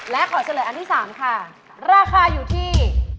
และขอเฉลยอันที่๓ค่ะราคาอยู่ที่